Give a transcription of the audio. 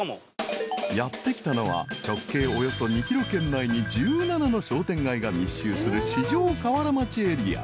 ［やって来たのは直径およそ２ｋｍ圏内に１７の商店街が密集する四条河原町エリア］